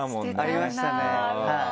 ありましたね。